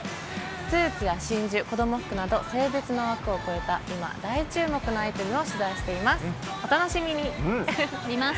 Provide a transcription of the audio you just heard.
スーツや真珠、子ども服など、性別の枠を超えた今、大注目のアイテムを取材しています。